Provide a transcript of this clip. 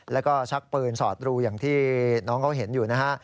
แล้วก็ชักปืนสอดรูอย่างที่น้องเขาเห็นอยู่นะฮะ